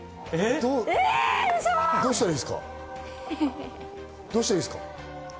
どうしたらいいですか？